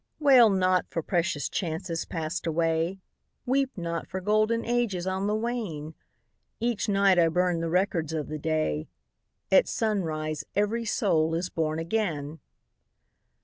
[ 27 ] Selected Poems Wail not for precious chances passed away, Weep not for golden ages on the wane ! Each night I burn the records of the day, — At sunrise every soul is born again